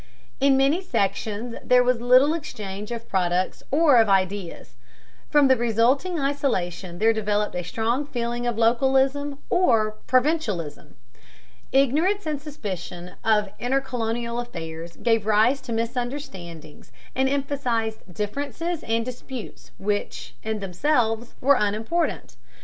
In many sections there was little exchange of products or of ideas. From the resulting isolation there developed a strong feeling of localism or provincialism. Ignorance and suspicion of intercolonial affairs gave rise to misunderstandings, and emphasized differences and disputes which in themselves were unimportant.